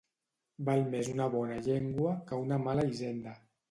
Val més una bona llengua que una mala hisenda